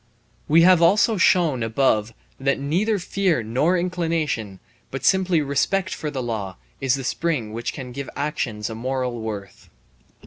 We have also shown above that neither fear nor inclination, but simply respect for the law, is the spring which can give actions a moral worth.